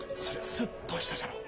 スッとしたじゃろう。